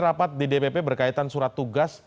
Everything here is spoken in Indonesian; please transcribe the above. rapat di dpp berkaitan surat tugas